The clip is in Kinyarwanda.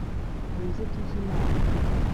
muze tujye inama